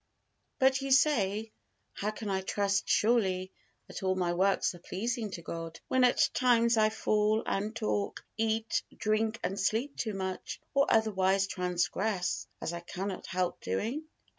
But you say: How can I trust surely that all my works are pleasing to God, when at times I fall, and talk, eat, drink and sleep too much, or otherwise transgress, as I cannot help doing?